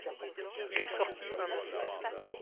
Il est sorti un instant.